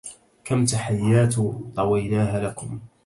كم تحيات طويناها لكم